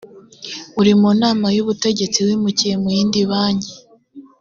uri mu nama y ubutegetsi wimukiye mu yindi banki